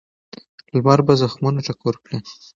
لمر به زخمونه ټکور کړي.